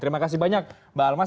terima kasih banyak mbak almas